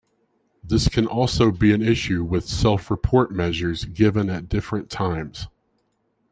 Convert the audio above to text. This can also be an issue with self-report measures given at different times.